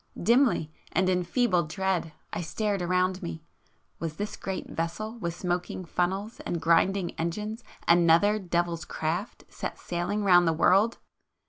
Dimly, and in feeble dread I stared around me,——was this great vessel with smoking funnels and grinding engines [p 478] another devil's craft set sailing round the world!